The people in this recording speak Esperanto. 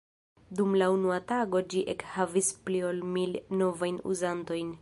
Dum la unua tago ĝi ekhavis pli ol mil novajn uzantojn.